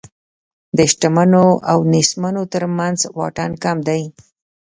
د شتمنو او نېستمنو تر منځ واټن کم دی.